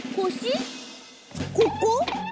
ここ？